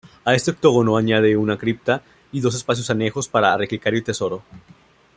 A este octógono añade una cripta y dos espacios anejos para relicario y tesoro.